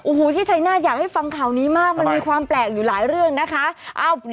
โอ้โหที่ชัยนาธิ์อยากให้ฟังข่าวนี้มากมันมีความแปลกอยู่หลายเรื่องนะคะ